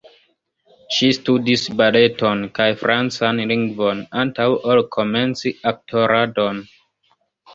Ŝi studis baleton kaj francan lingvon antaŭ ol komenci aktoradon.